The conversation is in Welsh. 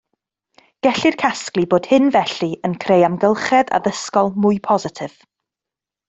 Gellir casglu bod hyn felly yn creu amgylchedd addysgol mwy positif